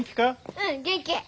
うん元気。